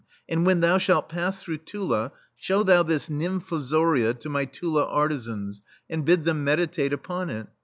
And when thou shalt pass through Tula, show thou this nymfozoria to my Tula artisans, and bid them meditate upon it.